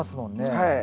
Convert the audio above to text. はい。